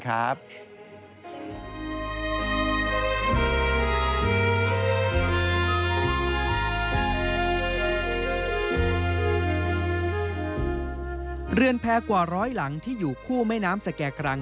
เรือนแพร่กว่าร้อยหลังที่อยู่คู่แม่น้ำสแก่กรัง